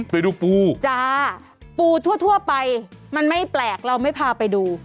ไปดูปูจ้าปูทั่วไปมันไม่แปลกเราไม่พาไปดู